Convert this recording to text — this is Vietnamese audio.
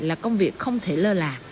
là công việc không thể lơ là